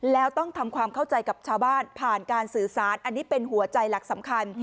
แล้วต้องทำความเข้าใจกับชาวบ้านผ่านการสื่อสารอันนี้เป็นหัวใจหลักสำคัญ